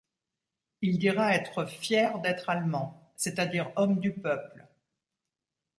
Il dira être fier d'être Allemand, c'est-à-dire homme du peuple.